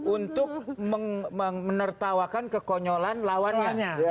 untuk menertawakan kekonyolan lawannya